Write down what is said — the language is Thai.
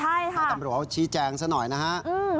ใช่ค่ะให้ตำรวจชี้แจงซะหน่อยนะครับ